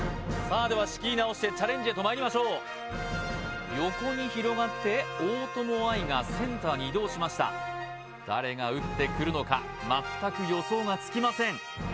さあでは仕切り直してチャレンジへとまいりましょう横に広がって大友愛がセンターに移動しました誰が打ってくるのか全く予想がつきません